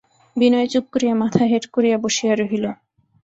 বিনয় চুপ করিয়া মাথা হেঁট করিয়া বসিয়া রহিল।